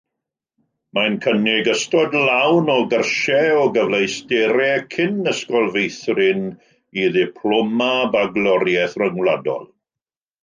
Mae'n cynnig ystod lawn o gyrsiau o gyfleusterau cyn-ysgol feithrin i Ddiploma Bagloriaeth Ryngwladol.